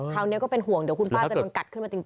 คราวนี้ก็เป็นห่วงเดี๋ยวคุณป้าจะต้องกัดขึ้นมาจริง